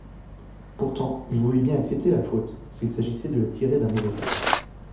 Pourtant, il voulait bien accepter la faute, s'il s'agissait de le tirer d'un mauvais pas.